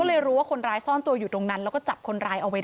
อันนี้ผู้หญิงบอกว่าช่วยด้วยหนูไม่ได้เป็นอะไรกันเขาจะปั้มหนูอะไรอย่างนี้